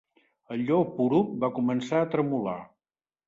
El Lleó Poruc va començar a tremolar.